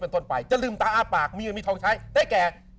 พูดถูกพูดถูกพูดถูก